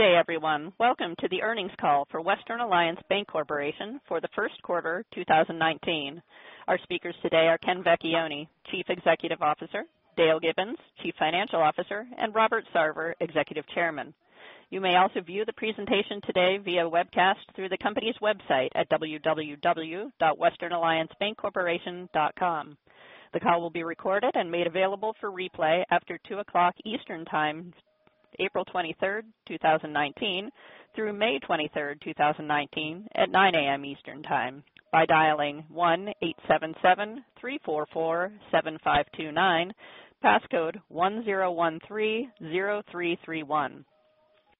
Good day, everyone. Welcome to the earnings call for Western Alliance Bancorporation for the first quarter 2019. Our speakers today are Ken Vecchione, Chief Executive Officer, Dale Gibbons, Chief Financial Officer, and Robert Sarver, Executive Chairman. You may also view the presentation today via webcast through the company's website at www.westernalliancebancorporation.com. The call will be recorded and made available for replay after 2:00 P.M. Eastern Time, April 23, 2019, through May 23, 2019, at 9:00 A.M. Eastern Time, by dialing 1-877-344-7529, passcode 10130331.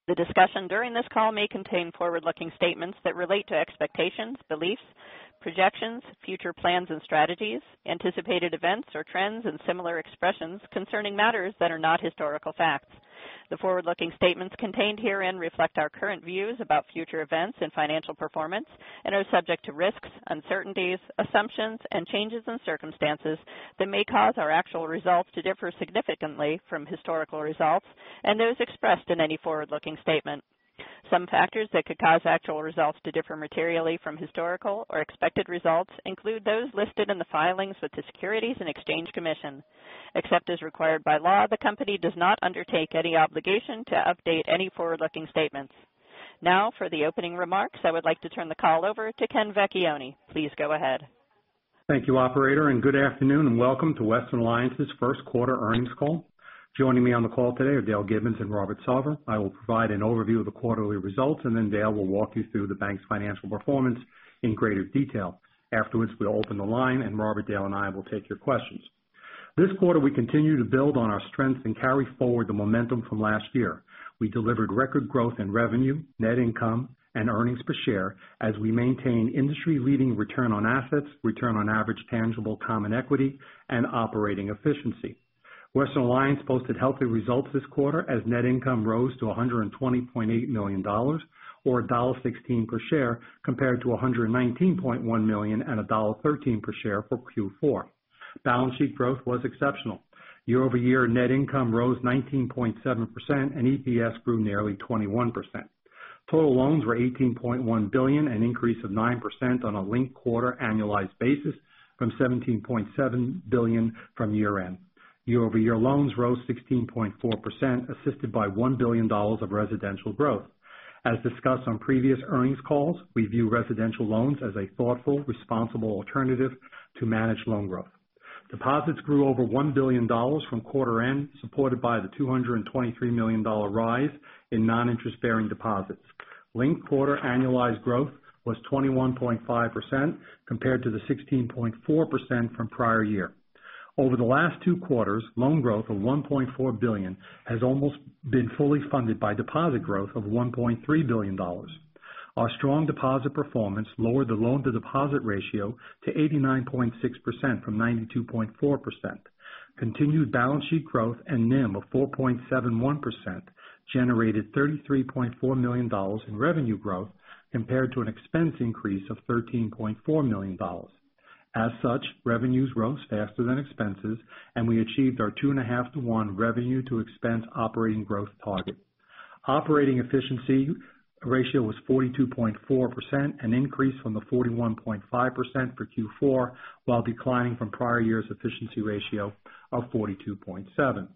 The discussion during this call may contain forward-looking statements that relate to expectations, beliefs, projections, future plans and strategies, anticipated events or trends, and similar expressions concerning matters that are not historical facts. The forward-looking statements contained herein reflect our current views about future events and financial performance and are subject to risks, uncertainties, assumptions, and changes in circumstances that may cause our actual results to differ significantly from historical results and those expressed in any forward-looking statement. Some factors that could cause actual results to differ materially from historical or expected results include those listed in the filings with the Securities and Exchange Commission. Except as required by law, the company does not undertake any obligation to update any forward-looking statements. For the opening remarks, I would like to turn the call over to Ken Vecchione. Please go ahead. Thank you, operator. Good afternoon and welcome to Western Alliance's first quarter earnings call. Joining me on the call today are Dale Gibbons and Robert Sarver. I will provide an overview of the quarterly results. Dale will walk you through the bank's financial performance in greater detail. Afterwards, we'll open the line. Robert, Dale, and I will take your questions. This quarter, we continue to build on our strengths and carry forward the momentum from last year. We delivered record growth in revenue, net income, and earnings per share as we maintain industry-leading return on assets, return on average tangible common equity, and operating efficiency. Western Alliance posted healthy results this quarter as net income rose to $120.8 million, or $1.16 per share, compared to $119.1 million and $1.13 per share for Q4. Balance sheet growth was exceptional. Year-over-year net income rose 19.7%. EPS grew nearly 21%. Total loans were $18.1 billion, an increase of 9% on a linked-quarter annualized basis from $17.7 billion from year-end. Year-over-year loans rose 16.4%, assisted by $1 billion of residential growth. As discussed on previous earnings calls, we view residential loans as a thoughtful, responsible alternative to manage loan growth. Deposits grew over $1 billion from quarter-end, supported by the $223 million rise in non-interest-bearing deposits. Linked-quarter annualized growth was 21.5%, compared to the 16.4% from prior year. Over the last two quarters, loan growth of $1.4 billion has almost been fully funded by deposit growth of $1.3 billion. Our strong deposit performance lowered the loan-to-deposit ratio to 89.6% from 92.4%. Continued balance sheet growth and NIM of 4.71% generated $33.4 million in revenue growth compared to an expense increase of $13.4 million. As such, revenues rose faster than expenses, and we achieved our two and a half to one revenue to expense operating growth target. Operating efficiency ratio was 42.4%, an increase from the 41.5% for Q4 while declining from prior year's efficiency ratio of 42.7%.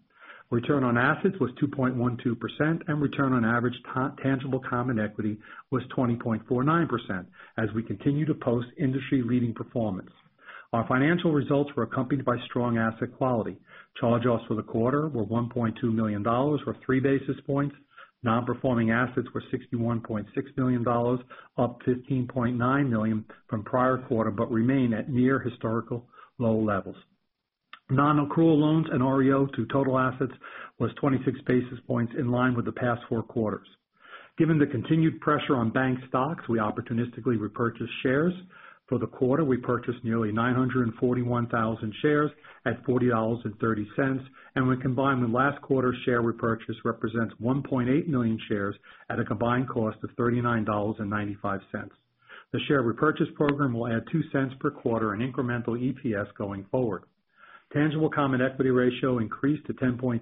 Return on assets was 2.12%, and return on average tangible common equity was 20.49% as we continue to post industry-leading performance. Our financial results were accompanied by strong asset quality. Charge-offs for the quarter were $1.2 million, or 3 basis points. Non-performing assets were $61.6 million, up $15.9 million from prior quarter, but remain at near historical low levels. Non-accrual loans and REO to total assets was 26 basis points, in line with the past four quarters. Given the continued pressure on bank stocks, we opportunistically repurchased shares. For the quarter, we purchased nearly 941,000 shares at $40.30, and when combined with last quarter's share repurchase represents 1.8 million shares at a combined cost of $39.95. The share repurchase program will add $0.02 per quarter in incremental EPS going forward. Tangible common equity ratio increased to 10.3%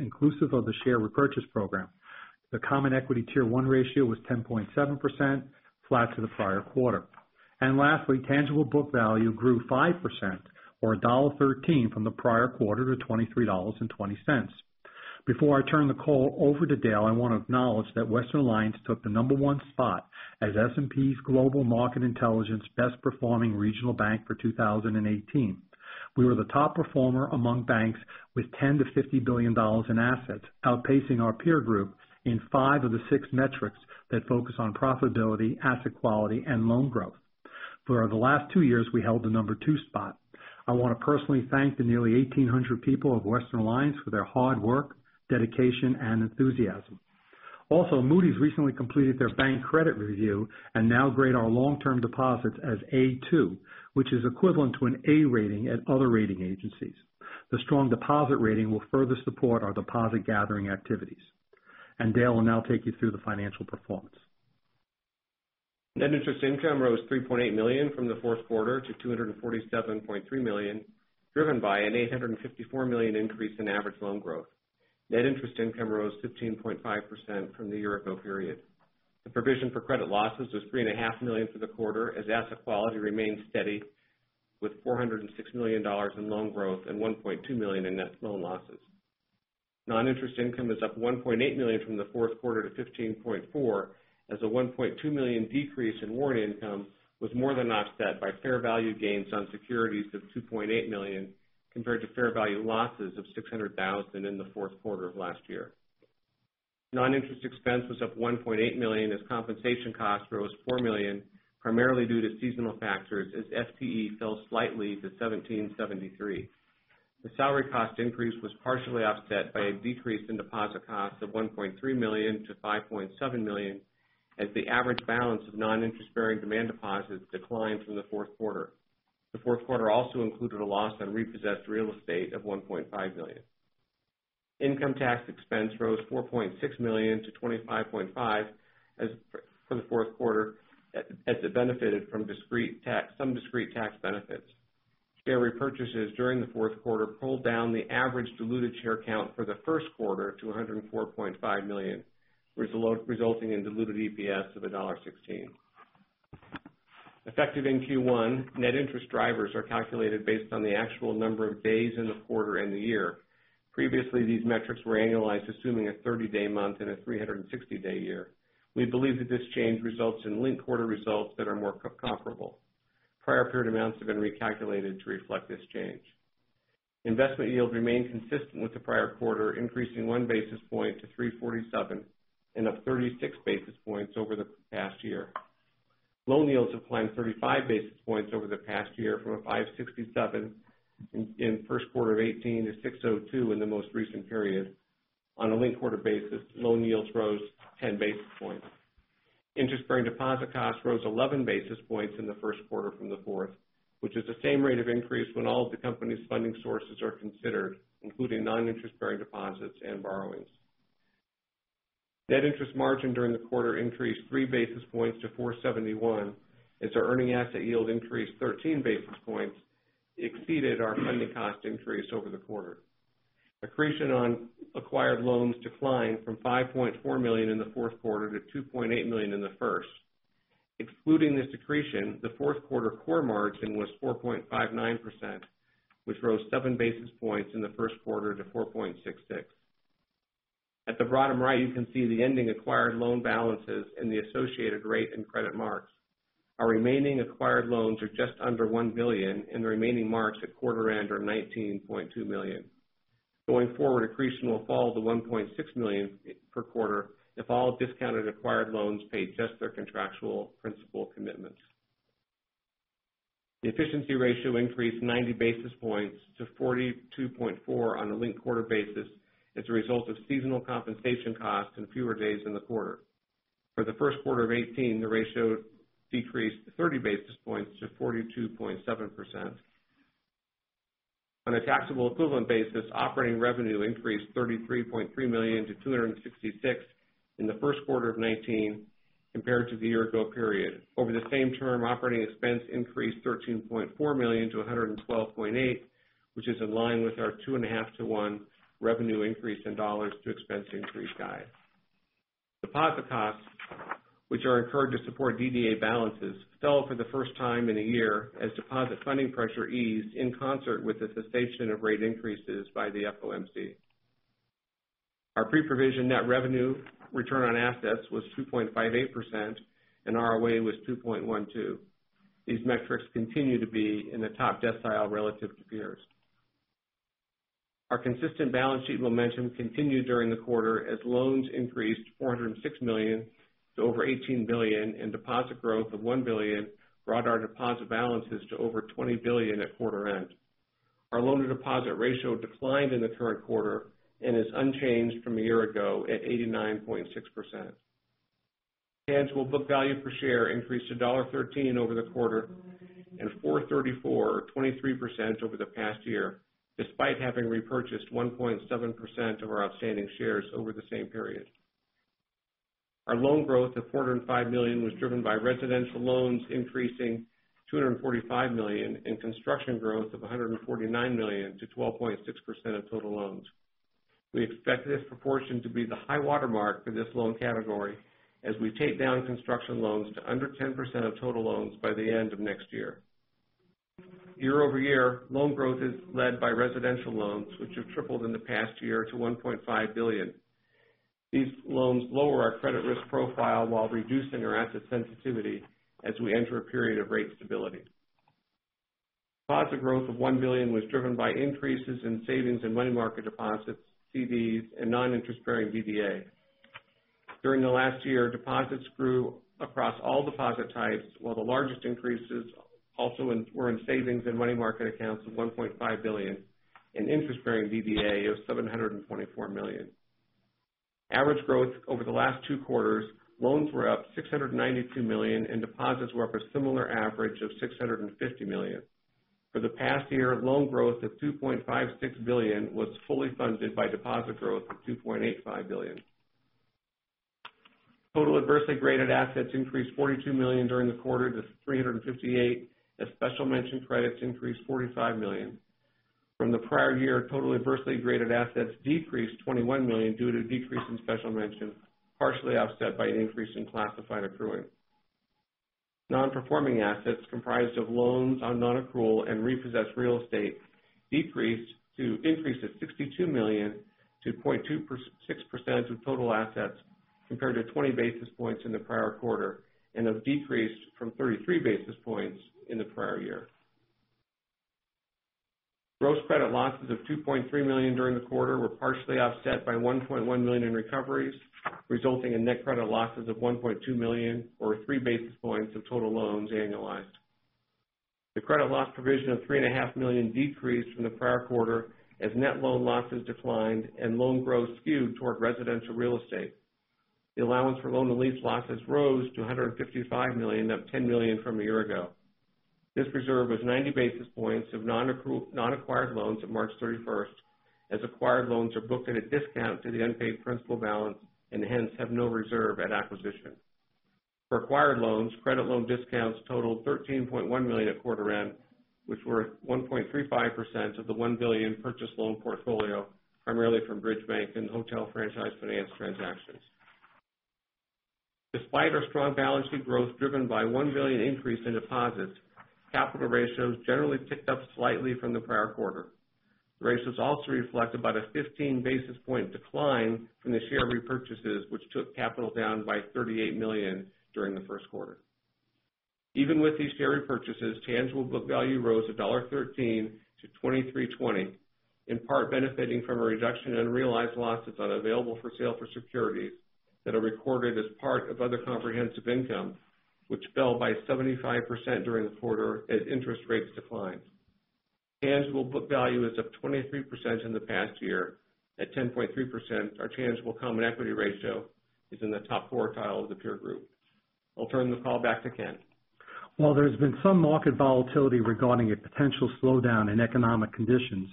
inclusive of the share repurchase program. The common equity Tier 1 ratio was 10.7%, flat to the prior quarter. Lastly, tangible book value grew 5% or $1.13 from the prior quarter to $23.20. Before I turn the call over to Dale, I want to acknowledge that Western Alliance took the number one spot as S&P Global Market Intelligence's best-performing regional bank for 2018. We were the top performer among banks with $10 billion to $50 billion in assets, outpacing our peer group in five of the six metrics that focus on profitability, asset quality, and loan growth. For the last two years, we held the number two spot. I want to personally thank the nearly 1,800 people of Western Alliance for their hard work, dedication, and enthusiasm. Also, Moody's recently completed their bank credit review and now grade our long-term deposits as A2, which is equivalent to an A rating at other rating agencies. The strong deposit rating will further support our deposit gathering activities. Dale will now take you through the financial performance. Net interest income rose $3.8 million from the fourth quarter to $247.3 million, driven by an $854 million increase in average loan growth. Net interest income rose 15.5% from the year-ago period. The provision for credit losses was $3.5 million for the quarter, as asset quality remained steady with $406 million in loan growth and $1.2 million in net loan losses. Non-interest income is up $1.8 million from the fourth quarter to $15.4 million, as a $1.2 million decrease in warrant income was more than offset by fair value gains on securities of $2.8 million, compared to fair value losses of $600,000 in the fourth quarter of last year. Non-interest expense was up $1.8 million as compensation costs rose $4 million, primarily due to seasonal factors as FTE fell slightly to 1,773. The salary cost increase was partially offset by a decrease in deposit costs of $1.3 million to $5.7 million, as the average balance of non-interest bearing demand deposits declined from the fourth quarter. The fourth quarter also included a loss on repossessed real estate of $1.5 million. Income tax expense rose $4.6 million to 25.5% for the fourth quarter, as it benefited from some discrete tax benefits. Share repurchases during the fourth quarter pulled down the average diluted share count for the first quarter to 104.5 million, resulting in diluted EPS of $1.16. Effective in Q1, net interest drivers are calculated based on the actual number of days in the quarter and the year. Previously, these metrics were annualized assuming a 30-day month and a 360-day year. We believe that this change results in linked-quarter results that are more comparable. Prior period amounts have been recalculated to reflect this change. Investment yields remain consistent with the prior quarter, increasing one basis point to 3.47%, and up 36 basis points over the past year. Loan yields have climbed 35 basis points over the past year, from 5.67% in first quarter of 2018 to 6.02% in the most recent period. On a linked-quarter basis, loan yields rose 10 basis points. Interest-bearing deposit costs rose 11 basis points in the first quarter from the fourth, which is the same rate of increase when all of the company's funding sources are considered, including non-interest bearing deposits and borrowings. Net interest margin during the quarter increased three basis points to 4.71%, as our earning asset yield increase 13 basis points exceeded our funding cost increase over the quarter. Accretion on acquired loans declined from $5.4 million in the fourth quarter to $2.8 million in the first. Excluding this accretion, the fourth quarter core margin was 4.59%, which rose seven basis points in the first quarter to 4.66%. At the bottom right, you can see the ending acquired loan balances and the associated rate and credit marks. Our remaining acquired loans are just under $1 billion, and the remaining marks at quarter end are $19.2 million. Going forward, accretion will fall to $1.6 million per quarter if all discounted acquired loans paid just their contractual principal commitments. The efficiency ratio increased 90 basis points to 42.4% on a linked-quarter basis as a result of seasonal compensation costs and fewer days in the quarter. For the first quarter of 2018, the ratio decreased 30 basis points to 42.7%. On a taxable equivalent basis, operating revenue increased $33.3 million to $266 million in the first quarter of 2019, compared to the year-ago period. Over the same term, operating expense increased $13.4 million to $112.8 million, which is in line with our two and a half to one revenue increase in dollars to expense increase guide. Deposit costs, which are incurred to support DDA balances, fell for the first time in a year as deposit funding pressure eased in concert with the cessation of rate increases by the FOMC. Our pre-provision net revenue return on assets was 2.58%, and ROA was 2.12%. These metrics continue to be in the top decile relative to peers. Our consistent balance sheet momentum continued during the quarter as loans increased $406 million to over $18 billion, and deposit growth of $1 billion brought our deposit balances to over $20 billion at quarter end. Our loan-to-deposit ratio declined in the current quarter and is unchanged from a year ago at 89.6%. Tangible book value per share increased to $1.13 over the quarter and $4.34, or 23%, over the past year, despite having repurchased 1.7% of our outstanding shares over the same period. Our loan growth of $405 million was driven by residential loans increasing $245 million and construction growth of $149 million to 12.6% of total loans. We expect this proportion to be the high watermark for this loan category as we take down construction loans to under 10% of total loans by the end of next year. Year-over-year, loan growth is led by residential loans, which have tripled in the past year to $1.5 billion. These loans lower our credit risk profile while reducing our asset sensitivity as we enter a period of rate stability. Deposit growth of $1 billion was driven by increases in savings and money market deposits, CDs, and non-interest bearing DDA. During the last year, deposits grew across all deposit types, while the largest increases also were in savings and money market accounts of $1.5 billion and interest bearing DDA of $724 million. Average growth over the last two quarters, loans were up $692 million and deposits were up a similar average of $650 million. For the past year, loan growth of $2.56 billion was fully funded by deposit growth of $2.85 billion. Total adversely graded assets increased $42 million during the quarter to 358, as special mention credits increased $45 million. From the prior year, total adversely graded assets decreased $21 million due to decrease in special mention, partially offset by an increase in classified accruing. Non-performing assets comprised of loans on non-accrual and repossessed real estate increased to $62 million, to 0.26% of total assets, compared to 20 basis points in the prior quarter, and a decrease from 33 basis points in the prior year. Gross credit losses of $2.3 million during the quarter were partially offset by $1.1 million in recoveries, resulting in net credit losses of $1.2 million or three basis points of total loans annualized. The credit loss provision of $3.5 million decreased from the prior quarter as net loan losses declined and loan growth skewed toward residential real estate. The allowance for loan and lease losses rose to $155 million, up $10 million from a year ago. This reserve was 90 basis points of non-acquired loans at March 31st, as acquired loans are booked at a discount to the unpaid principal balance and hence have no reserve at acquisition. For acquired loans, credit loan discounts totaled $13.1 million at quarter end, which were 1.35% of the $1 billion purchase loan portfolio, primarily from Bridge Bank and Hotel Franchise Finance transactions. Despite our strong balance sheet growth driven by $1 billion increase in deposits, capital ratios generally ticked up slightly from the prior quarter. The ratios also reflect about a 15 basis point decline from the share repurchases, which took capital down by $38 million during the first quarter. Even with these share repurchases, tangible book value rose $1.13 to $23.20, in part benefiting from a reduction in unrealized losses on available for sale for securities that are recorded as part of other comprehensive income, which fell by 75% during the quarter as interest rates declined. Tangible book value is up 23% in the past year. At 10.3%, our tangible common equity ratio is in the top quartile of the peer group. I'll turn the call back to Ken. While there has been some market volatility regarding a potential slowdown in economic conditions,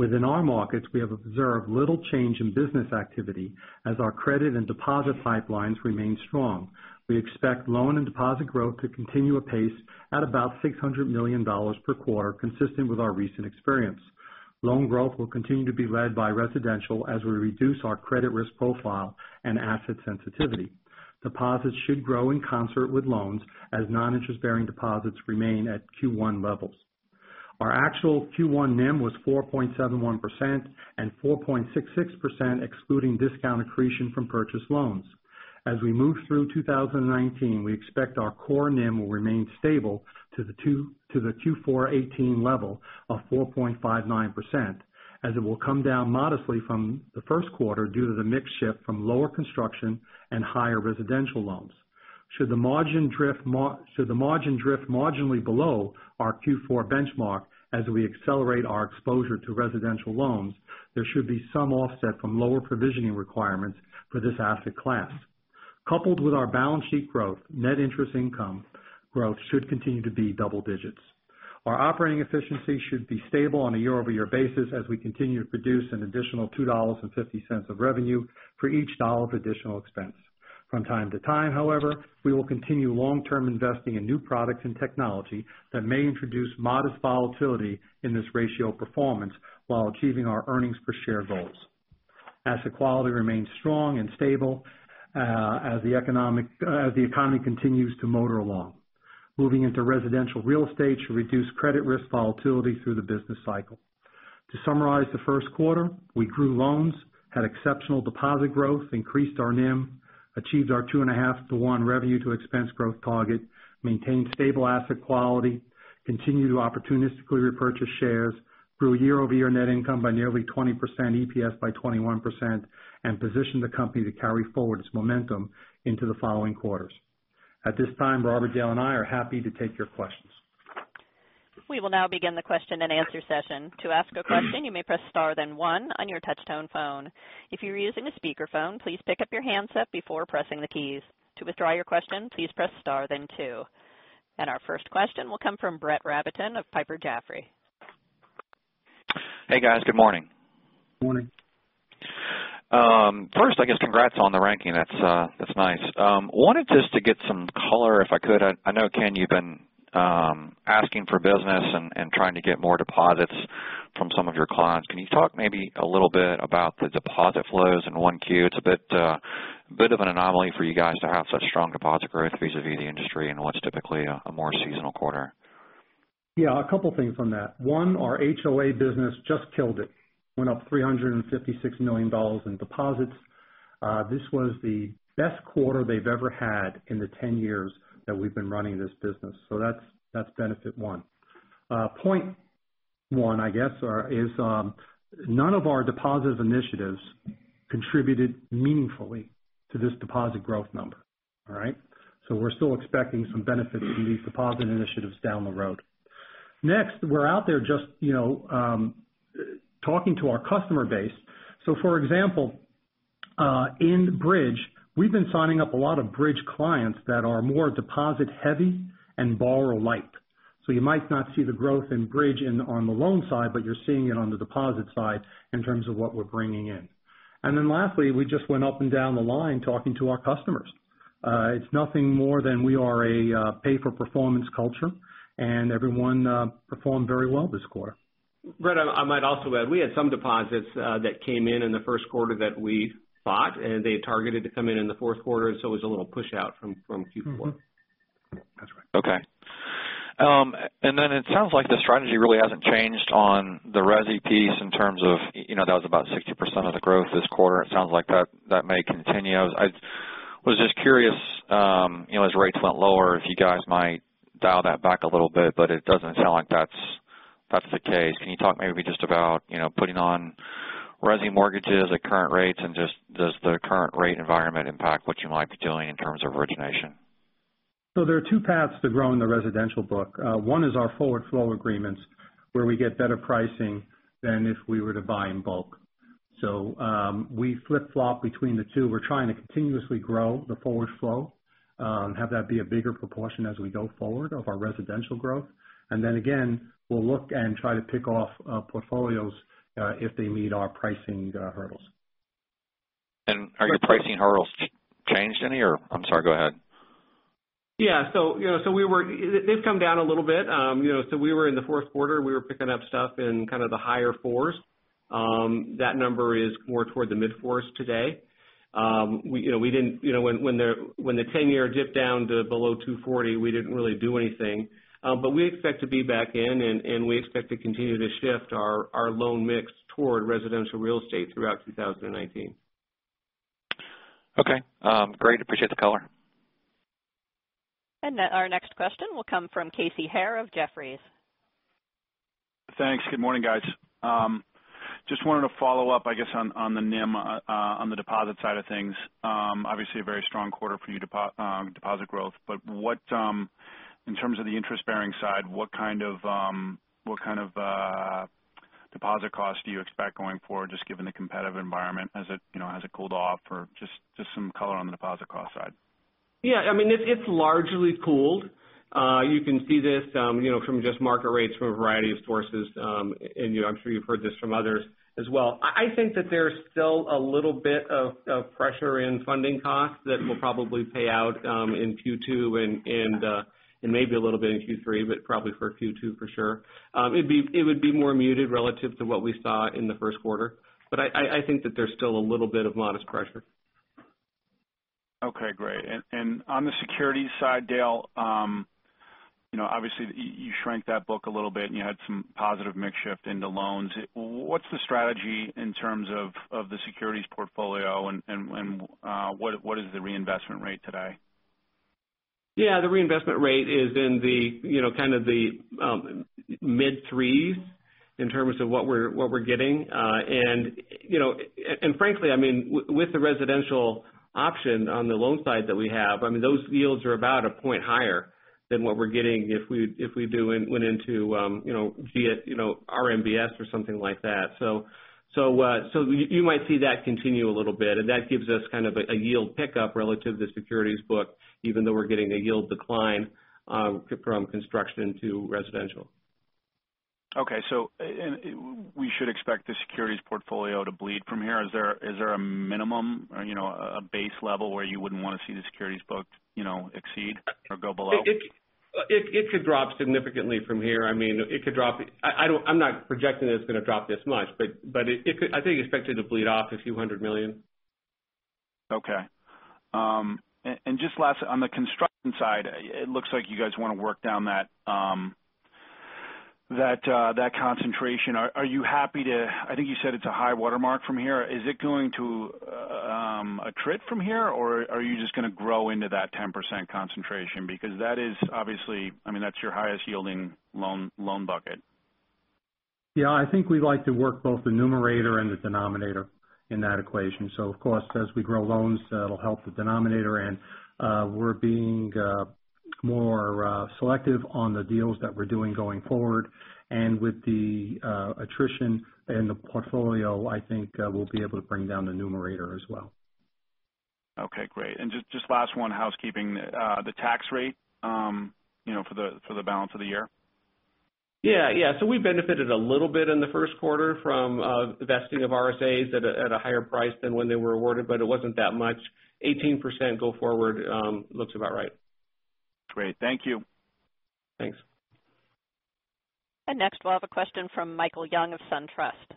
within our markets, we have observed little change in business activity as our credit and deposit pipelines remain strong. We expect loan and deposit growth to continue apace at about $600 million per quarter, consistent with our recent experience. Loan growth will continue to be led by residential as we reduce our credit risk profile and asset sensitivity. Deposits should grow in concert with loans as non-interest-bearing deposits remain at Q1 levels. Our actual Q1 NIM was 4.71% and 4.66%, excluding discount accretion from purchase loans. As we move through 2019, we expect our core NIM will remain stable to the Q4 2018 level of 4.59%, as it will come down modestly from the first quarter due to the mix shift from lower construction and higher residential loans. Should the margin drift marginally below our Q4 benchmark as we accelerate our exposure to residential loans, there should be some offset from lower provisioning requirements for this asset class. Coupled with our balance sheet growth, net interest income growth should continue to be double digits. Our operating efficiency should be stable on a year-over-year basis as we continue to produce an additional $2.50 of revenue for each dollar of additional expense. From time to time, however, we will continue long-term investing in new products and technology that may introduce modest volatility in this ratio performance while achieving our earnings per share goals. Asset quality remains strong and stable, as the economy continues to motor along. Moving into residential real estate should reduce credit risk volatility through the business cycle. To summarize the first quarter, we grew loans, had exceptional deposit growth, increased our NIM, achieved our 2.5 to 1 revenue to expense growth target, maintained stable asset quality, continued to opportunistically repurchase shares, grew year-over-year net income by nearly 20%, EPS by 21%, and positioned the company to carry forward its momentum into the following quarters. At this time, Robert, Dale, and I are happy to take your questions. We will now begin the question and answer session. To ask a question, you may press star then one on your touch tone phone. If you're using a speakerphone, please pick up your handset before pressing the keys. To withdraw your question, please press star then two. Our first question will come from Brett Rabatin of Piper Jaffray. Hey, guys. Good morning. Morning. First, I guess congrats on the ranking. That's nice. Wanted just to get some color if I could. I know, Ken, you've been asking for business and trying to get more deposits from some of your clients. Can you talk maybe a little bit about the deposit flows in 1Q? It's a bit of an anomaly for you guys to have such strong deposit growth vis-a-vis the industry in what's typically a more seasonal quarter. Yeah, a couple things on that. One, our HOA business just killed it. Went up $356 million in deposits. This was the best quarter they've ever had in the 10 years that we've been running this business. That's benefit one. Point one, I guess, is none of our deposit initiatives contributed meaningfully to this deposit growth number. All right? We're still expecting some benefit from these deposit initiatives down the road. Next, we're out there just talking to our customer base. For example, in Bridge, we've been signing up a lot of Bridge clients that are more deposit heavy and borrower light. You might not see the growth in Bridge on the loan side, but you're seeing it on the deposit side in terms of what we're bringing in. Lastly, we just went up and down the line talking to our customers. It's nothing more than we are a pay-for-performance culture and everyone performed very well this quarter. Brett, I might also add, we had some deposits that came in in the first quarter that we bought, and they targeted to come in in the fourth quarter, so it was a little push out from Q4. Mm-hmm. That's right. Okay. It sounds like the strategy really hasn't changed on the resi piece in terms of, that was about 60% of the growth this quarter. It sounds like that may continue. I was just curious, as rates went lower, if you guys might dial that back a little bit, but it doesn't sound like that's the case. Can you talk maybe just about putting on resi mortgages at current rates, and just does the current rate environment impact what you might be doing in terms of origination? There are two paths to growing the residential book. One is our forward flow agreements, where we get better pricing than if we were to buy in bulk. We flip-flop between the two. We're trying to continuously grow the forward flow, have that be a bigger proportion as we go forward of our residential growth. Again, we'll look and try to pick off portfolios if they meet our pricing hurdles. Are your pricing hurdles changed any? I'm sorry, go ahead. Yeah. They've come down a little bit. We were in the fourth quarter, we were picking up stuff in kind of the higher fours. That number is more toward the mid-fours today. When the 10-year dipped down to below 240, we didn't really do anything. We expect to be back in, and we expect to continue to shift our loan mix toward residential real estate throughout 2019. Okay. Great. Appreciate the color. Our next question will come from Casey Haire of Jefferies. Thanks. Good morning, guys. Just wanted to follow up, I guess, on the NIM, on the deposit side of things. Obviously, a very strong quarter for you deposit growth. In terms of the interest-bearing side, what kind of deposit cost do you expect going forward, just given the competitive environment? Has it cooled off? Just some color on the deposit cost side. Yeah. It's largely cooled. You can see this from just market rates from a variety of sources, and I'm sure you've heard this from others as well. I think that there's still a little bit of pressure in funding costs that will probably pay out in Q2 and maybe a little bit in Q3, but probably for Q2 for sure. It would be more muted relative to what we saw in the first quarter. I think that there's still a little bit of modest pressure. Okay, great. On the security side, Dale, obviously you shrank that book a little bit and you had some positive mix shift into loans. What's the strategy in terms of the securities portfolio and what is the reinvestment rate today? Yeah, the reinvestment rate is in kind of the mid 3s in terms of what we're getting. Frankly, with the residential option on the loan side that we have, those yields are about one point higher than what we're getting if we went into RMBS or something like that. You might see that continue a little bit, and that gives us kind of a yield pickup relative to securities book, even though we're getting a yield decline from construction to residential. Okay. We should expect the securities portfolio to bleed from here. Is there a minimum, a base level where you wouldn't want to see the securities book exceed or go below? It could drop significantly from here. I'm not projecting that it's going to drop this much, I think expect it to bleed off a few hundred million. Okay. Just last, on the construction side, it looks like you guys want to work down that concentration. I think you said it's a high watermark from here. Is it going to attrit from here, or are you just going to grow into that 10% concentration? Because that is obviously your highest yielding loan bucket. I think we like to work both the numerator and the denominator in that equation. Of course, as we grow loans, that'll help the denominator, and we're being more selective on the deals that we're doing going forward. With the attrition in the portfolio, I think we'll be able to bring down the numerator as well. Great. Just last one, housekeeping. The tax rate for the balance of the year? We benefited a little bit in the first quarter from the vesting of RSAs at a higher price than when they were awarded. It wasn't that much. 18% go forward looks about right. Great. Thank you. Thanks. Next we'll have a question from Michael Young of SunTrust.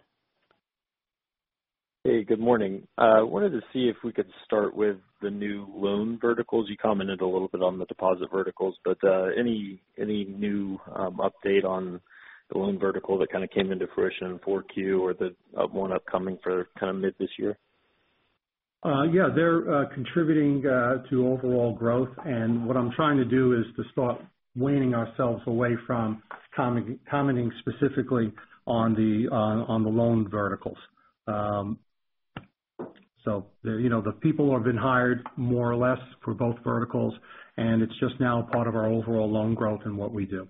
Hey, good morning. I wanted to see if we could start with the new loan verticals. You commented a little bit on the deposit verticals, but any new update on the loan vertical that kind of came into fruition in 4Q or the one upcoming for kind of mid this year? Yeah. They're contributing to overall growth, and what I'm trying to do is to start weaning ourselves away from commenting specifically on the loan verticals. The people have been hired more or less for both verticals, and it's just now part of our overall loan growth and what we do.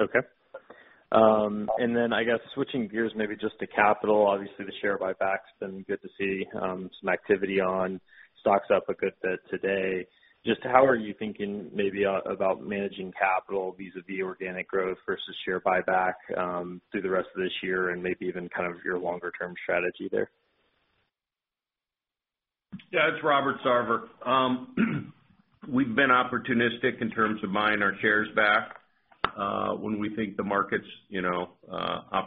Okay. Then I guess switching gears maybe just to capital, obviously the share buyback's been good to see some activity on. Stock's up a good bit today. How are you thinking maybe about managing capital vis-a-vis organic growth versus share buyback through the rest of this year and maybe even kind of your longer term strategy there? It's Robert Sarver. We've been opportunistic in terms of buying our shares back. When we think the market's a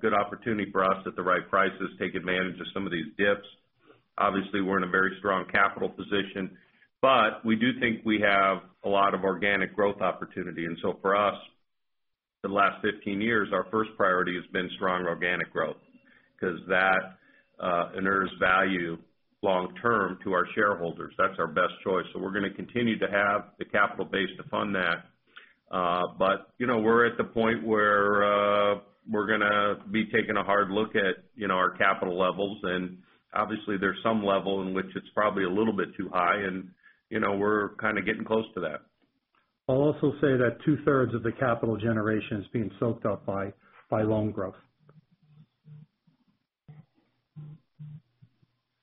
good opportunity for us at the right prices, take advantage of some of these dips. Obviously, we're in a very strong capital position, but we do think we have a lot of organic growth opportunity. For us, the last 15 years, our first priority has been strong organic growth because that inures value long term to our shareholders. That's our best choice. We're going to continue to have the capital base to fund that. We're at the point where we're going to be taking a hard look at our capital levels. Obviously there's some level in which it's probably a little bit too high and we're kind of getting close to that. I'll also say that two-thirds of the capital generation is being soaked up by loan growth.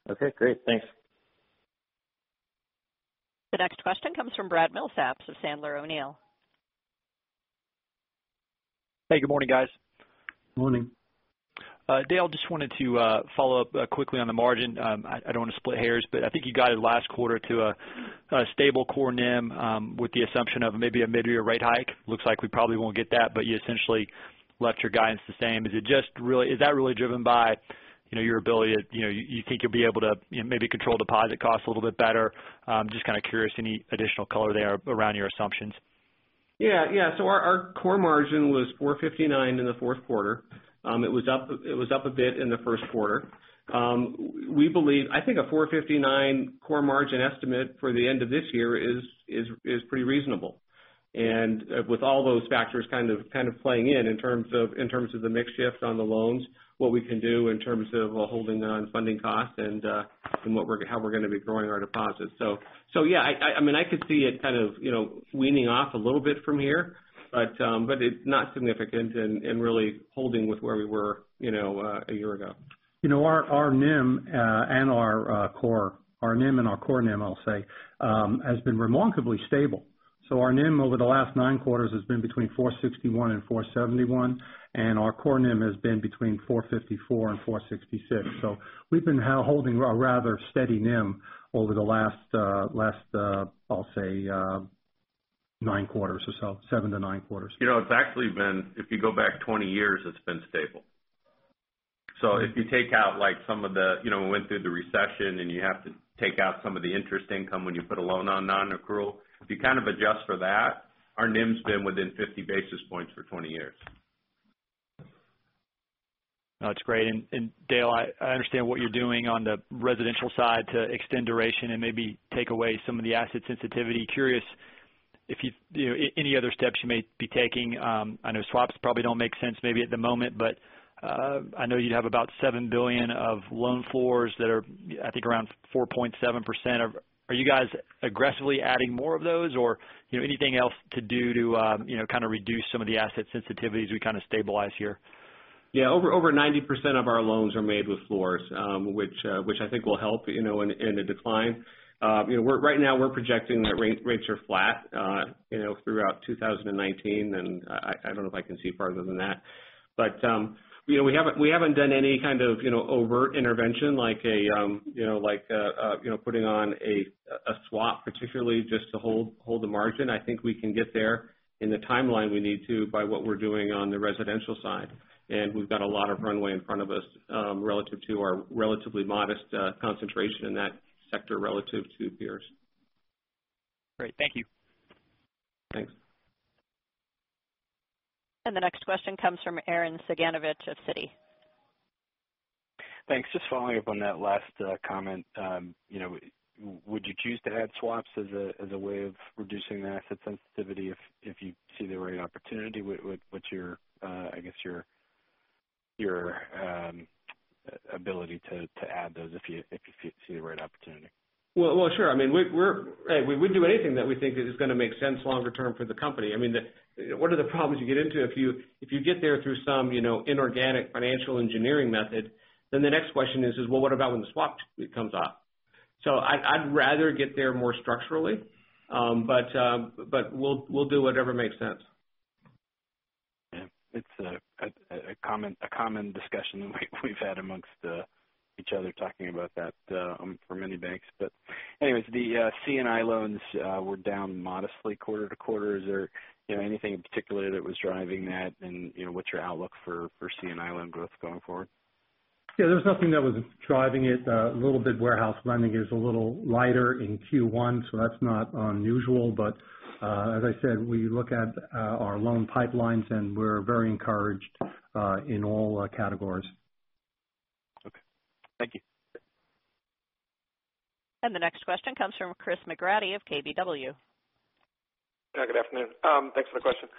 Okay, great. Thanks. The next question comes from Brad Milsaps of Sandler O'Neill. Hey, good morning, guys. Morning. Dale, just wanted to follow up quickly on the margin. I don't want to split hairs. I think you guided last quarter to a stable core NIM with the assumption of maybe a mid-year rate hike. Looks like we probably won't get that. You essentially left your guidance the same. Is that really driven by your ability that you think you'll be able to maybe control deposit costs a little bit better? Just kind of curious, any additional color there around your assumptions. Yeah. Our core margin was 459 in the fourth quarter. It was up a bit in the first quarter. I think a 459 core margin estimate for the end of this year is pretty reasonable. With all those factors kind of playing in terms of the mix shift on the loans, what we can do in terms of holding on funding costs and how we're going to be growing our deposits. Yeah, I could see it kind of weaning off a little bit from here. It's not significant and really holding with where we were a year ago. Our NIM and our core NIM, I'll say, has been remarkably stable. Our NIM over the last nine quarters has been between 461 and 471, and our core NIM has been between 454 and 466. We've been holding a rather steady NIM over the last, I'll say, nine quarters or so. Seven to nine quarters. It's actually been, if you go back 20 years, it's been stable. If you take out some of the, went through the recession and you have to take out some of the interest income when you put a loan on non-accrual. If you kind of adjust for that, our NIM's been within 50 basis points for 20 years. No, it's great. Dale, I understand what you're doing on the residential side to extend duration and maybe take away some of the asset sensitivity. Curious if any other steps you may be taking. I know swaps probably don't make sense maybe at the moment, but I know you have about $7 billion of loan floors that are, I think around 4.7%. Are you guys aggressively adding more of those or anything else to do to kind of reduce some of the asset sensitivities we kind of stabilize here? Yeah. Over 90% of our loans are made with floors, which I think will help in a decline. Right now we're projecting that rates are flat throughout 2019, and I don't know if I can see farther than that. We haven't done any kind of overt intervention like putting on a swap particularly just to hold the margin. I think we can get there in the timeline we need to by what we're doing on the residential side. We've got a lot of runway in front of us relative to our relatively modest concentration in that sector relative to peers. Great. Thank you. Thanks. The next question comes from Aaron Saganovich of Citi. Thanks. Just following up on that last comment. Would you choose to add swaps as a way of reducing the asset sensitivity if you see the right opportunity? What's your ability to add those if you see the right opportunity? Well, sure. We'd do anything that we think is going to make sense longer term for the company. One of the problems you get into if you get there through some inorganic financial engineering method, then the next question is, well, what about when the swap comes off? I'd rather get there more structurally. We'll do whatever makes sense. Yeah. It's a common discussion we've had amongst each other talking about that for many banks. Anyways, the C&I loans were down modestly quarter-to-quarter. Is there anything in particular that was driving that? What's your outlook for C&I loan growth going forward? Yeah, there was nothing that was driving it. A little bit warehouse lending is a little lighter in Q1, that's not unusual. As I said, we look at our loan pipelines and we're very encouraged in all categories. Okay. Thank you. The next question comes from Christopher McGratty of KBW. Yeah. Good afternoon. Thanks for the question.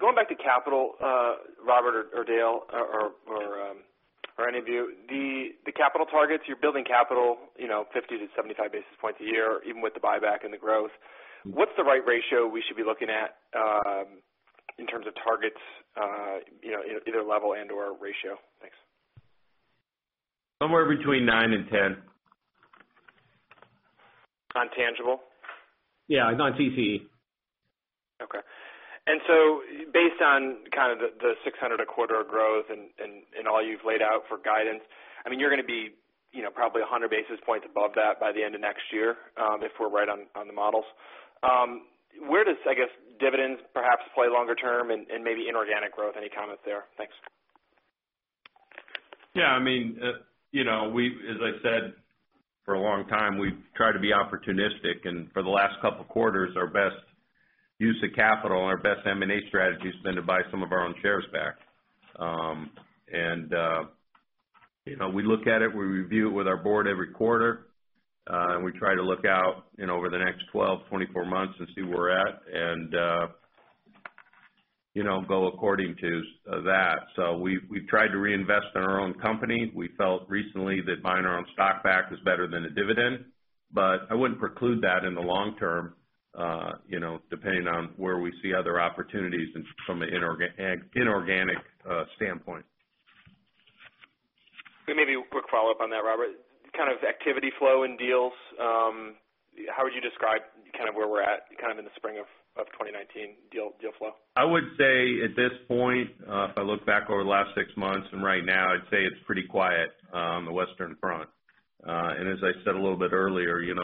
Going back to capital, Robert or Dale or For any of you, the capital targets, you're building capital 50-75 basis points a year, even with the buyback and the growth. What's the right ratio we should be looking at in terms of targets, either level and/or ratio? Thanks. Somewhere between nine and 10. On tangible? Yeah, on TCE. Okay. Based on kind of the $600 a quarter of growth and all you've laid out for guidance, you're going to be probably 100 basis points above that by the end of next year, if we're right on the models. Where does dividends perhaps play longer term and maybe inorganic growth? Any comments there? Thanks. Yeah. As I said, for a long time, we've tried to be opportunistic, and for the last couple quarters, our best use of capital and our best M&A strategy has been to buy some of our own shares back. We look at it, we review it with our board every quarter, and we try to look out over the next 12, 24 months and see where we're at and go according to that. We've tried to reinvest in our own company. We felt recently that buying our own stock back was better than a dividend. I wouldn't preclude that in the long term, depending on where we see other opportunities from an inorganic standpoint. Maybe a quick follow-up on that, Robert. Kind of activity flow in deals, how would you describe kind of where we're at kind of in the spring of 2019 deal flow? I would say at this point, if I look back over the last six months and right now, I'd say it's pretty quiet on the Western front. As I said a little bit earlier, in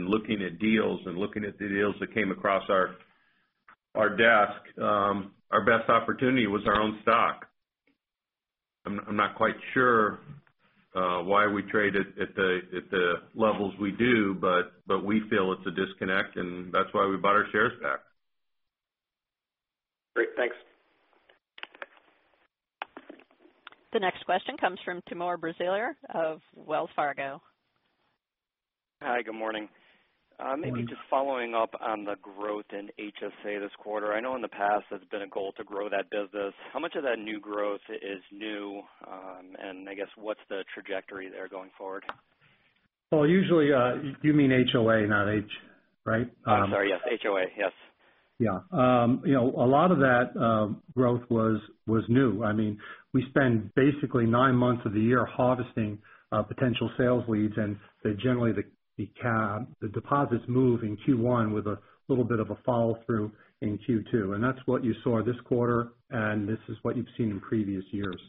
looking at deals and looking at the deals that came across our desk, our best opportunity was our own stock. I'm not quite sure why we trade at the levels we do, but we feel it's a disconnect, and that's why we bought our shares back. Great. Thanks. The next question comes from Timur Braziler of Wells Fargo. Hi. Good morning. Maybe just following up on the growth in HSA this quarter. I know in the past it's been a goal to grow that business. How much of that new growth is new, and I guess what's the trajectory there going forward? Well, usually, you mean HOA, not H, right? I'm sorry, yes. HOA, yes. A lot of that growth was new. We spend basically nine months of the year harvesting potential sales leads, generally, the deposits move in Q1 with a little bit of a follow-through in Q2. That's what you saw this quarter, and this is what you've seen in previous years.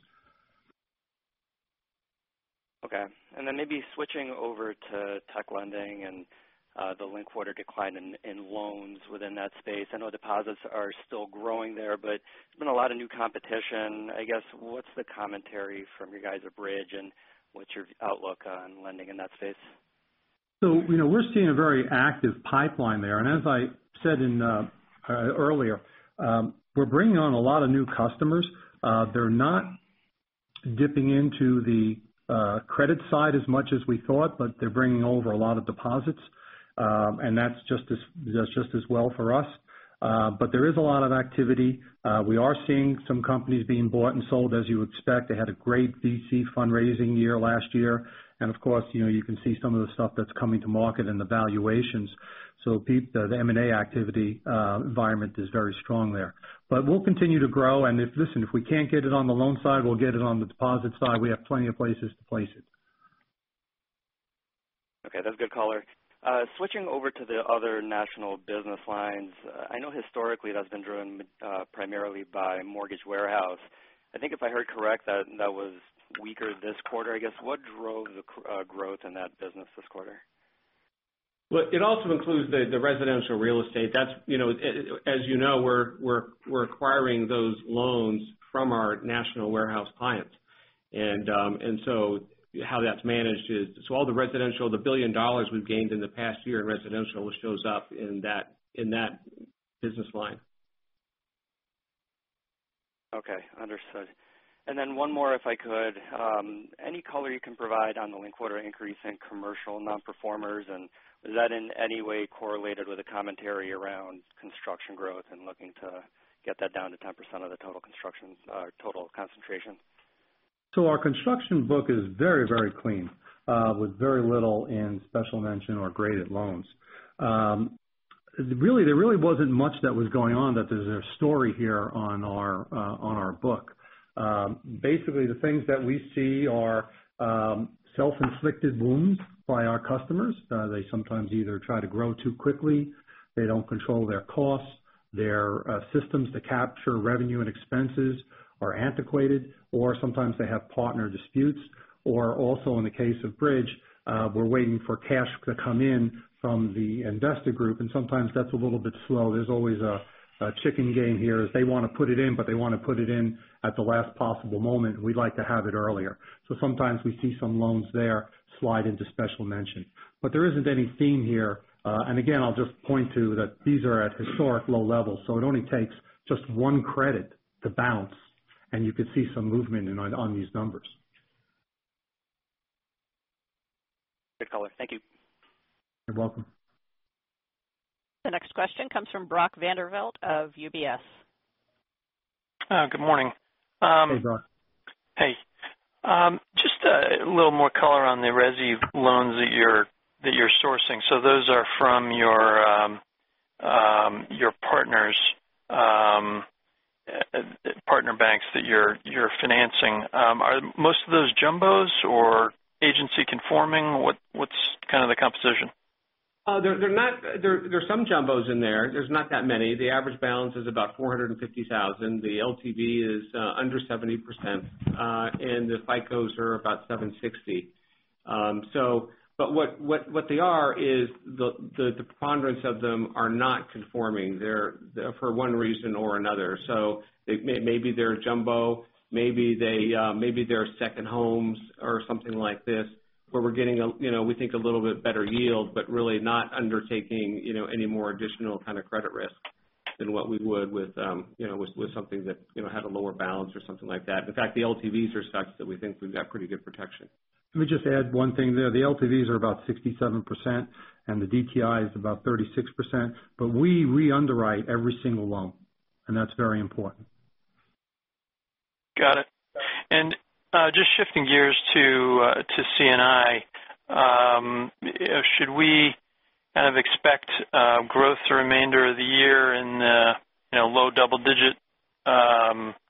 Maybe switching over to tech lending and the linked quarter decline in loans within that space. I know deposits are still growing there, but there's been a lot of new competition. I guess, what's the commentary from you guys at Bridge, and what's your outlook on lending in that space? We're seeing a very active pipeline there. As I said earlier, we're bringing on a lot of new customers. They're not dipping into the credit side as much as we thought, but they're bringing over a lot of deposits. That's just as well for us. There is a lot of activity. We are seeing some companies being bought and sold, as you would expect. They had a great VC fundraising year last year. Of course, you can see some of the stuff that's coming to market and the valuations. The M&A activity environment is very strong there. We'll continue to grow. Listen, if we can't get it on the loan side, we'll get it on the deposit side. We have plenty of places to place it. Okay, that's good color. Switching over to the other national business lines. I know historically that's been driven primarily by mortgage warehouse. I think if I heard correct, that was weaker this quarter. I guess, what drove the growth in that business this quarter? Well, it also includes the residential real estate. As you know, we're acquiring those loans from our national warehouse clients. How that's managed is, so all the residential, the $1 billion we've gained in the past year in residential shows up in that business line. Okay. Understood. One more, if I could. Any color you can provide on the linked quarter increase in commercial non-performers, and is that in any way correlated with the commentary around construction growth and looking to get that down to 10% of the total concentration? Our construction book is very clean with very little in special mention or graded loans. There really wasn't much that was going on that there's a story here on our book. Basically, the things that we see are self-inflicted wounds by our customers. They sometimes either try to grow too quickly. They don't control their costs. Their systems to capture revenue and expenses are antiquated. Sometimes they have partner disputes. Also in the case of Bridge, we're waiting for cash to come in from the [Anesta Group], and sometimes that's a little bit slow. There's always a chicken game here as they want to put it in, but they want to put it in at the last possible moment. We'd like to have it earlier. Sometimes we see some loans there slide into special mention. There isn't any theme here. Again, I'll just point to that these are at historic low levels. It only takes just one credit to bounce, and you could see some movement on these numbers. Good color. Thank you. You're welcome. The next question comes from Brock Vandervliet of UBS. Good morning. Hey, Brock. Hey. Just a little more color on the resi loans that you're sourcing. Those are from your partner banks that you're financing. Are most of those jumbos or agency conforming? What's kind of the composition? There's some jumbos in there. There's not that many. The average balance is about $450,000. The LTV is under 70%, and the FICOs are about 760. What they are is the preponderance of them are not conforming for one reason or another. Maybe they're jumbo, maybe they're second homes or something like this, where we're getting a little bit better yield, but really not undertaking any more additional kind of credit risk than what we would with something that had a lower balance or something like that. In fact, the LTVs are such that we think we've got pretty good protection. Let me just add one thing there. The LTVs are about 67%, and the DTI is about 36%. We underwrite every single loan, and that's very important. Just shifting gears to C&I. Should we kind of expect growth the remainder of the year in the low double-digit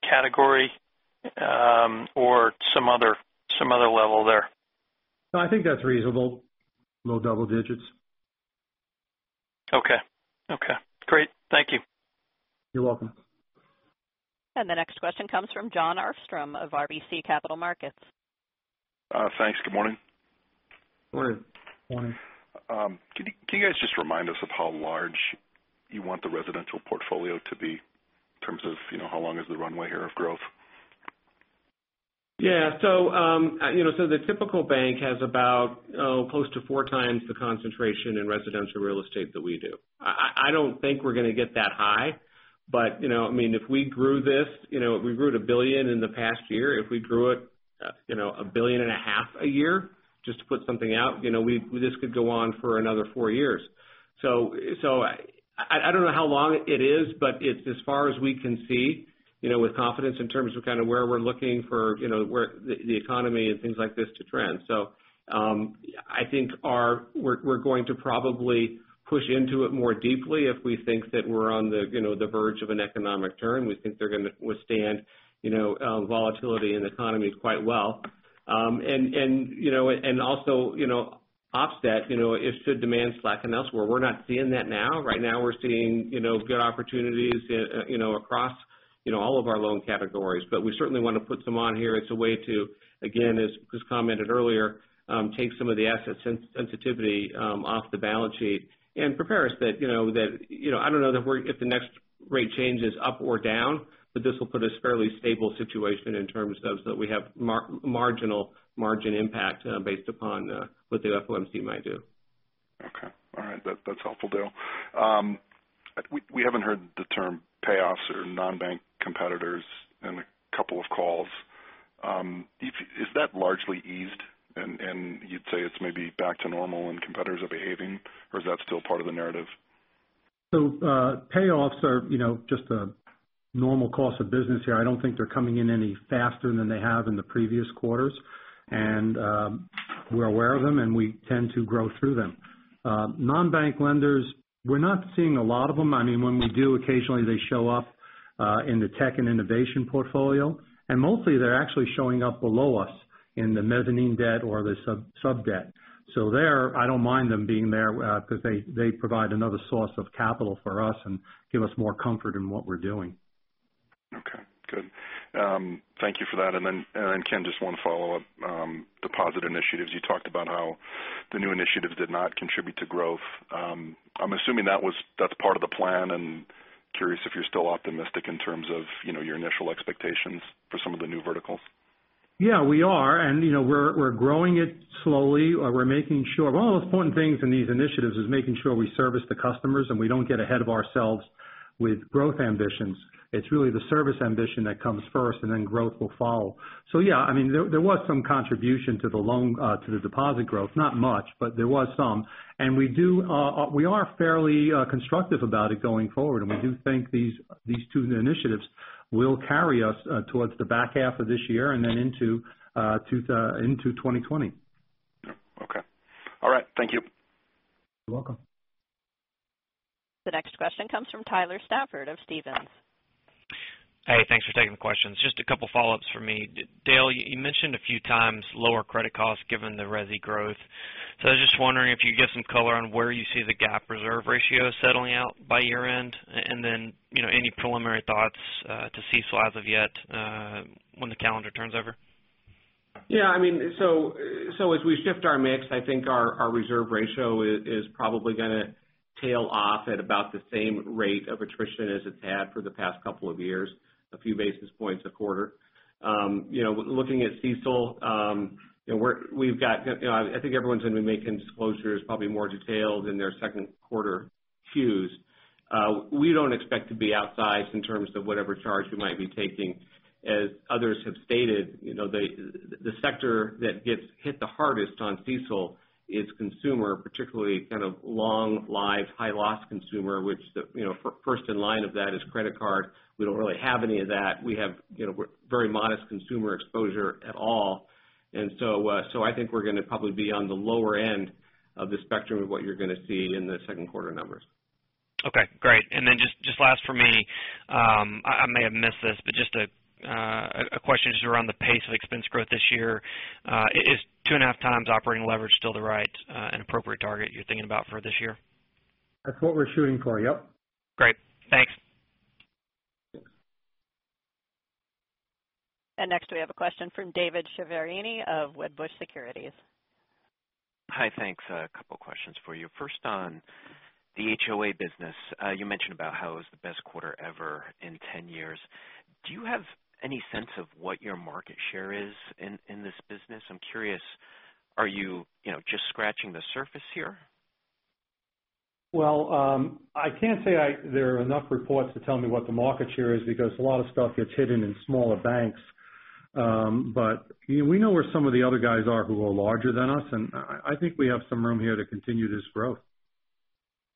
category, or some other level there? No, I think that's reasonable. Low double digits. Okay. Great. Thank you. You're welcome. The next question comes from Jon Arfstrom of RBC Capital Markets. Thanks. Good morning. Good morning. Can you guys just remind us of how large you want the residential portfolio to be in terms of how long is the runway here of growth? The typical bank has about close to four times the concentration in residential real estate that we do. I don't think we're going to get that high. If we grew this, we grew it $1 billion in the past year. If we grew it $1 billion and a half a year, just to put something out, this could go on for another four years. I don't know how long it is, but it's as far as we can see with confidence in terms of kind of where we're looking for the economy and things like this to trend. I think we're going to probably push into it more deeply if we think that we're on the verge of an economic turn. We think they're going to withstand volatility in economies quite well. Also, offset if should demand slacken elsewhere. We're not seeing that now. Right now we're seeing good opportunities across all of our loan categories. We certainly want to put some on here as a way to, again, as Chris commented earlier, take some of the asset sensitivity off the balance sheet and prepare us that, I don't know if the next rate change is up or down, but this will put us fairly stable situation in terms of so that we have marginal margin impact based upon what the FOMC might do. Okay. All right. That's helpful, Dale. We haven't heard the term payoffs or non-bank competitors in a couple of calls. Is that largely eased and you'd say it's maybe back to normal and competitors are behaving, or is that still part of the narrative? Payoffs are just a normal cost of business here. I don't think they're coming in any faster than they have in the previous quarters. We're aware of them, and we tend to grow through them. Non-bank lenders, we're not seeing a lot of them. When we do, occasionally they show up in the tech and innovation portfolio. Mostly they're actually showing up below us in the mezzanine debt or the sub-debt. There, I don't mind them being there because they provide another source of capital for us and give us more comfort in what we're doing. Okay, good. Thank you for that. Ken, just one follow-up. Deposit initiatives. You talked about how the new initiatives did not contribute to growth. I'm assuming that's part of the plan and curious if you're still optimistic in terms of your initial expectations for some of the new verticals. We are, and we're growing it slowly. One of the important things in these initiatives is making sure we service the customers and we don't get ahead of ourselves with growth ambitions. It's really the service ambition that comes first and then growth will follow. There was some contribution to the deposit growth. Not much, but there was some. We are fairly constructive about it going forward, and we do think these two initiatives will carry us towards the back half of this year and then into 2020. Okay. All right. Thank you. You're welcome. The next question comes from Tyler Stafford of Stephens. Hey, thanks for taking the questions. Just a couple follow-ups for me. Dale, you mentioned a few times lower credit costs given the resi growth. I was just wondering if you give some color on where you see the GAAP reserve ratio settling out by year-end, and then any preliminary thoughts to CECL as of yet when the calendar turns over? Yeah. As we shift our mix, I think our reserve ratio is probably going to tail off at about the same rate of attrition as it's had for the past couple of years, a few basis points a quarter. Looking at CECL, I think everyone's going to be making disclosures probably more detailed in their second quarter 10-Qs. We don't expect to be outsized in terms of whatever charge we might be taking. As others have stated, the sector that gets hit the hardest on CECL is consumer, particularly kind of long live, high loss consumer, which first in line of that is credit card. We don't really have any of that. We have very modest consumer exposure at all. I think we're going to probably be on the lower end of the spectrum of what you're going to see in the second quarter numbers. Okay, great. Just last for me. I may have missed this, just a question just around the pace of expense growth this year. Is 2.5 times operating leverage still the right and appropriate target you're thinking about for this year? That's what we're shooting for, yep. Great. Thanks. Yeah. Next we have a question from David Chiaverini of Wedbush Securities. Hi. Thanks. A couple questions for you. First on the HOA business. You mentioned about how it was the best quarter ever in 10 years. Do you have any sense of what your market share is in this business? I'm curious, are you just scratching the surface here? Well, I can't say there are enough reports to tell me what the market share is because a lot of stuff gets hidden in smaller banks. We know where some of the other guys are who are larger than us, and I think we have some room here to continue this growth.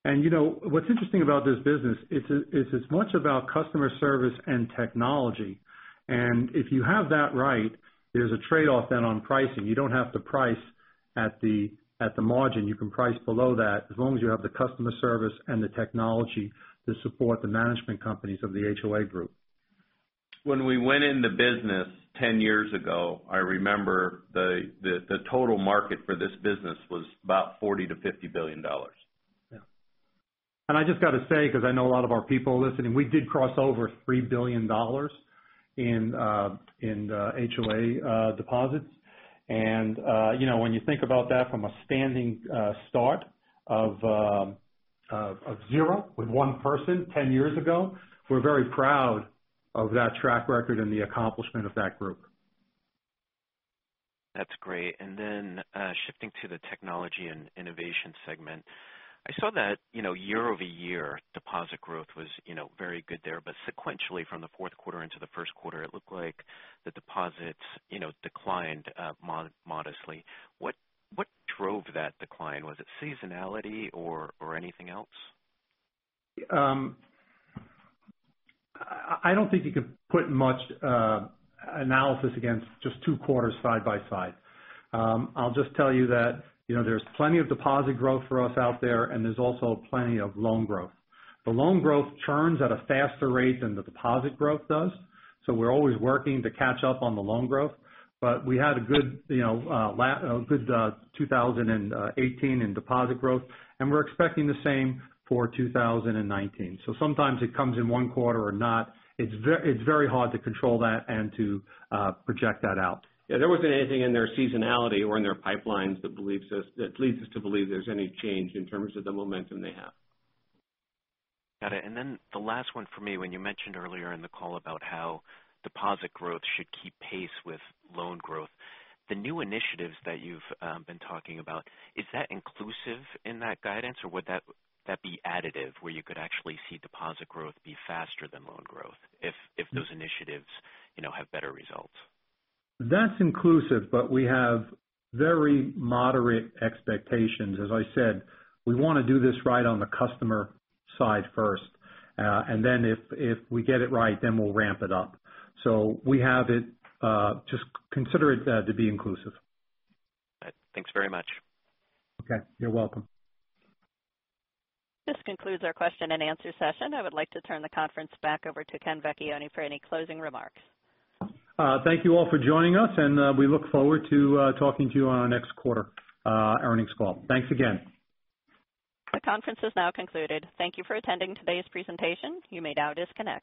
What's interesting about this business, it's as much about customer service and technology. If you have that right, there's a trade-off then on pricing. You don't have to price at the margin. You can price below that as long as you have the customer service and the technology to support the management companies of the HOA group. When we went in the business 10 years ago, I remember the total market for this business was about $40 billion-$50 billion. Yeah. I just got to say, because I know a lot of our people listening, we did cross over $3 billion in HOA deposits. When you think about that from a standing start of zero with one person 10 years ago, we're very proud of that track record and the accomplishment of that group. That's great. Shifting to the technology and innovation segment. I saw that year-over-year deposit growth was very good there. Sequentially from the fourth quarter into the first quarter, it looked like the deposits declined modestly. What drove that decline? Was it seasonality or anything else? I don't think you could put much analysis against just two quarters side by side. I'll just tell you that there's plenty of deposit growth for us out there, and there's also plenty of loan growth. The loan growth churns at a faster rate than the deposit growth does, we're always working to catch up on the loan growth. We had a good 2018 in deposit growth, and we're expecting the same for 2019. Sometimes it comes in one quarter or not. It's very hard to control that and to project that out. Yeah, there wasn't anything in their seasonality or in their pipelines that leads us to believe there's any change in terms of the momentum they have. Got it. The last one for me. When you mentioned earlier in the call about how deposit growth should keep pace with loan growth. The new initiatives that you've been talking about, is that inclusive in that guidance or would that be additive where you could actually see deposit growth be faster than loan growth if those initiatives have better results? That's inclusive. We have very moderate expectations. As I said, we want to do this right on the customer side first. If we get it right, we'll ramp it up. Just consider it to be inclusive. Got it. Thanks very much. Okay. You're welcome. This concludes our question and answer session. I would like to turn the conference back over to Kenneth Vecchione for any closing remarks. Thank you all for joining us, and we look forward to talking to you on our next quarter earnings call. Thanks again. The conference has now concluded. Thank you for attending today's presentation. You may now disconnect.